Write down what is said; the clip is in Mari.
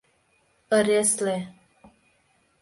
— Ыресле.